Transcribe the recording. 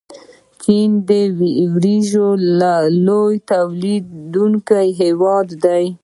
چین د وریجو لوی تولیدونکی هیواد دی.